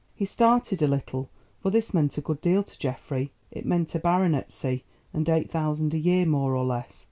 He started a little, for this meant a good deal to Geoffrey. It meant a baronetcy and eight thousand a year, more or less.